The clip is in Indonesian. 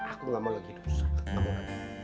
aku gak mau lagi hidup susah kamu ngamain